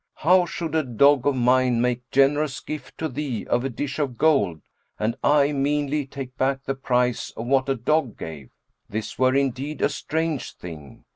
How should a dog of mine make generous gift to thee of a dish of gold and I meanly take back the price of what a dog gave? This were indeed a strange thing!